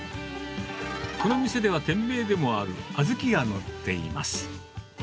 この店では、店名でもある小豆が載っています。